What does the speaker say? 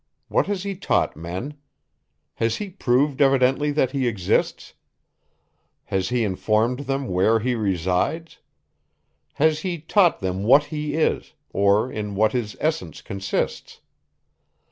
What has he taught men? Has he proved evidently that he exists? Has he informed them where he resides? Has he taught them what he is, or in what his essence consists?